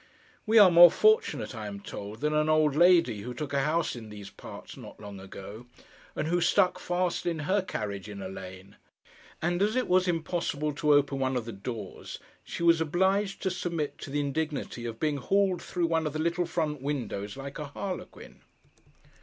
We are more fortunate, I am told, than an old lady, who took a house in these parts not long ago, and who stuck fast in her carriage in a lane; and as it was impossible to open one of the doors, she was obliged to submit to the indignity of being hauled through one of the little front windows, like a harlequin.